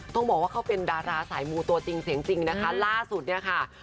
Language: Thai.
ต้องบอกว่าเขาเป็นดาราสายมูตัวจริงเสียงจริงนะคะล่าสุดเนี่ยค่ะ